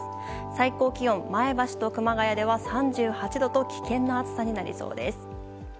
最高気温は前橋、熊谷で３８度と危険な暑さになりそうです。